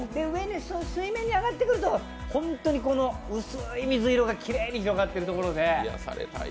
水面に上がってくると本当に薄い水色がきれいに広がっているところで。